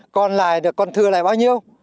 còn lại được còn thừa lại bao nhiêu